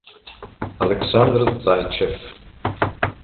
Aleksandr Zajcev